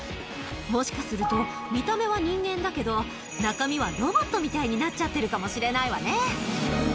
もしかすると、見た目は人間だけど、中身はロボットみたいになっちゃってるかもしれないわね。